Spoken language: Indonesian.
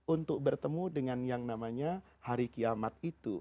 untuk bertemu dengan yang namanya hari kiamat itu